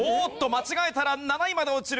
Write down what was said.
間違えたら７位まで落ちる。